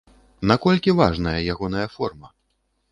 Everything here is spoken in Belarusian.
Наколькі важная ягоная форма?